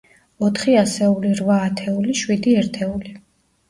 ოთხი ასეული, რვა ათეული, შვიდი ერთეული.